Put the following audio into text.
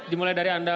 dimulai dari anda